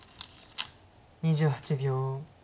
２８秒。